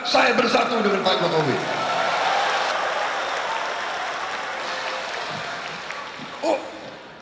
saya bersatu dengan pak jokowi